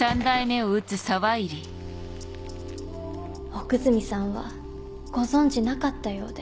奥泉さんはご存じなかったようで。